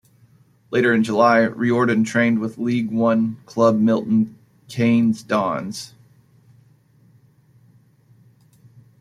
Later in July, Riordan trained with League One club Milton Keynes Dons.